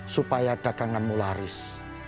supaya daganganmu laris